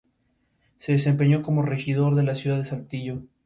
Se desempeñó como regidor de la ciudad de Saltillo.